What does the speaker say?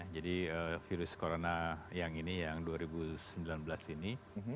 jadi virus corona yang ini yang dua ribu sembilan belas ini